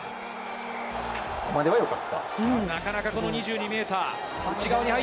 ここまでは良かった。